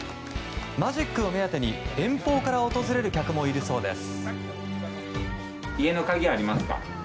マジックを目当てに、遠方から訪れる客もいるそうです。